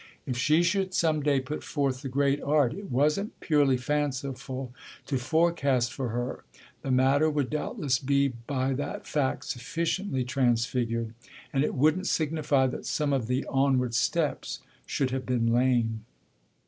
If she should some day put forth the great art it wasn't purely fanciful to forecast for her, the matter would doubtless be by that fact sufficiently transfigured and it wouldn't signify that some of the onward steps should have been lame.